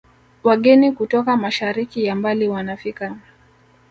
Wageni kutoka mashariki ya mbali wanafika